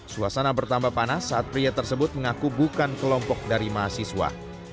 suasana bertambah panas saat pria tersebut mengaku bukan kelompok dari mahasiswa